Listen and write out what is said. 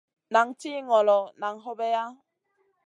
Nan tih ŋolo, nan hobeya.